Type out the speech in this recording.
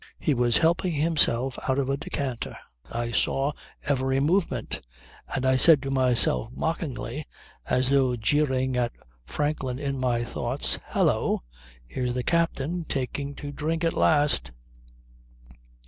He was helping himself out of a decanter. I saw every movement, and I said to myself mockingly as though jeering at Franklin in my thoughts, 'Hallo! Here's the captain taking to drink at last.'